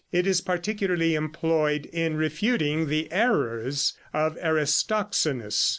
It is particularly employed in refuting the errors of Aristoxenus.